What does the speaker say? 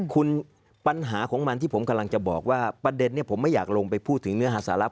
คุณปัญหาของมันที่ผมกำลังจะบอกว่าประเด็นนี้ผมไม่อยากลงไปพูดถึงเนื้อหาสาระ